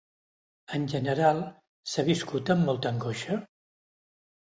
En general, s’ha viscut amb molta angoixa?